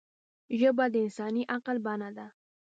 ژبه د انساني عقل بڼه ده